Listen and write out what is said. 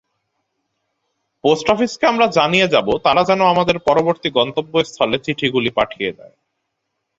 Post অফিসকে আমরা জানিয়ে যাব, তারা যেন আমাদের পরবর্তী গন্তব্যস্থলে চিঠিগুলি পাঠিয়ে দেয়।